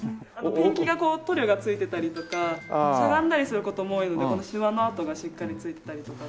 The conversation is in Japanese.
ペンキが塗料が付いてたりとかしゃがんだりする事も多いのでしわの痕がしっかりついてたりとか。